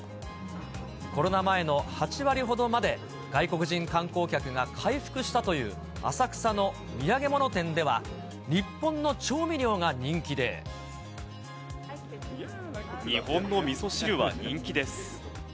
コロナ前の８割ほどまで、外国人観光客が回復したという浅草の土産物店では、日本の調味料日本のみそ汁は人気です。